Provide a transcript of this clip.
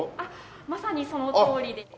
まさにそのとおりで。